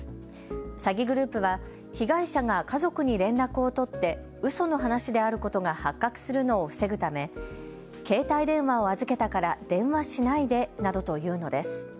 詐欺グループは被害者が家族に連絡を取ってうその話であることが発覚するのを防ぐため携帯電話を預けたから電話しないでなどと言うのです。